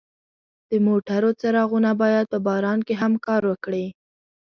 د موټرو څراغونه باید په باران کې هم کار وکړي.